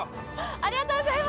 ありがとうございます。